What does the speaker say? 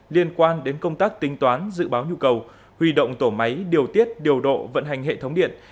liên quan đến công tác tính toán dự báo nhu cầu huy động tổ máy điều tiết điều độ vận hành hệ thống điện